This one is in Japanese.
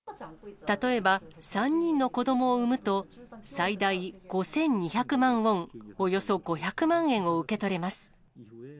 例えば、３人の子どもを産むと、最大５２００万ウォン、およそ５００万円を受け取れます。